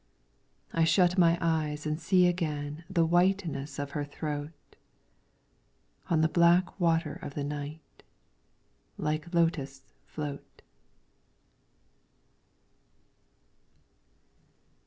I shut my eyes and see again The whiteness of her throat. On the black water of the night Like lotus float.